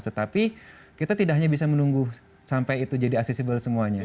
tetapi kita tidak hanya bisa menunggu sampai itu jadi aksesibel semuanya